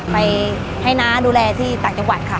ไปให้น้าดูแลที่ต่างจังหวัดค่ะ